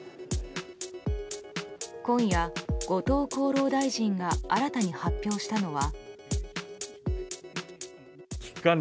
今夜、後藤厚労大臣が新たに発表したのは。